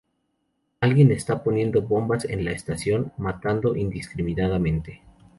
Alguien está poniendo bombas en la estación, matando indiscriminadamente.